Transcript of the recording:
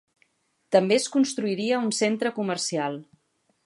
També es construiria un centre comercial.